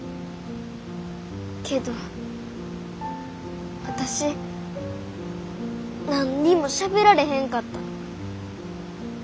けど私何にもしゃべられへんかった。